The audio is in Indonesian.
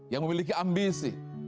yang memiliki ambisi